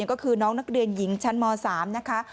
ก็คือน้องนักเรียนหญิงชั้นม๓นะคะ